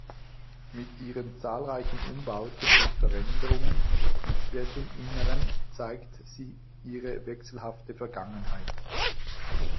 Mit ihren zahlreichen Umbauten und Veränderungen im Kircheninneren zeigt sie ihre wechselhafte Vergangenheit.